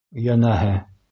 Йәнәһе.